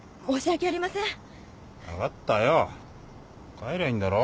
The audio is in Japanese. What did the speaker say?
帰りゃいいんだろ。